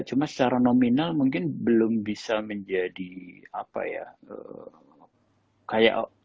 cuma secara nominal mungkin belum bisa menjadi apa ya kayak